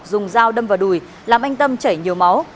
dùng dao đâm vào đùi làm anh tâm chảy nhiều máu